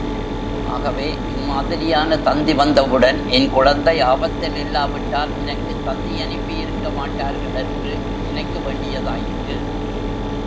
ஆகவே, இம் மாதிரியான தந்தி வந்தவுடன் என் குழந்தை ஆபத்திலில்லாவிட்டால் எனக்குத் தந்தியனுப்பி யிருக்கமாட்டார்கள் என்று நினைக்க வேண்டியதாயிற்று.